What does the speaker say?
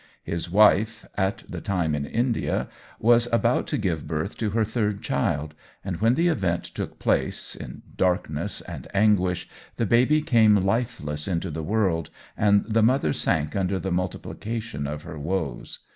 His wife, at that time in India, was about to give birth to her third child ; and when the event took place, in darkness and an guish, the baby came lifeless into the world and the mother sank under the multiplica tion of her woes.